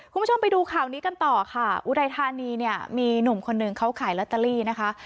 คุณผู้ชมไปดูข่าวนี้กันต่อค่ะอุดัยธานีเนี่ยมีหนุ่มคนหนึ่งเขาขายลอตเตอรี่นะคะ